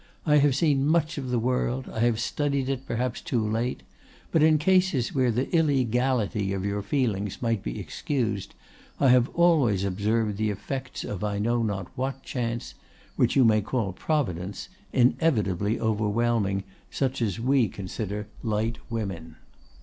I have seen much of the world, I have studied it perhaps too late; but in cases where the illegality of your feelings might be excused, I have always observed the effects of I know not what chance—which you may call Providence—inevitably overwhelming such as we consider light women."